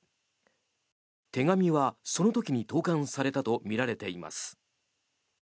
手紙はその時に投函されたとみられています。